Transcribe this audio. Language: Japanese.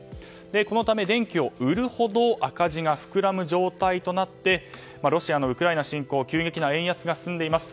このため、電気を売るほど赤字が膨らむ状態となってロシアのウクライナ侵攻や急激な円安が進んでいます。